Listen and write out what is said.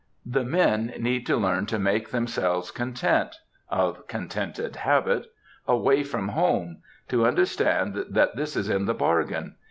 The men need to learn to make themselves content—of contented habit—away from home, to understand that this is in the bargain.